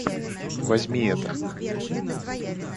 Возьми это